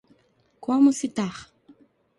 Como citar?